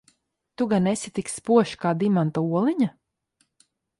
Tu gan esi tik spožs kā dimanta oliņa?